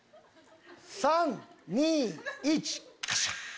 ３・２・１カシャ！